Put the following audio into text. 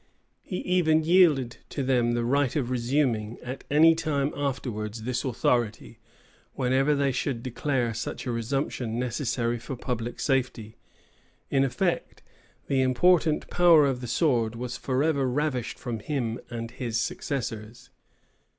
He even yielded to them the right of resuming, at any time afterwards, this authority, whenever they should declare such a resumption necessary for public safety. In effect, the important power of the sword was forever ravished from him and his successors.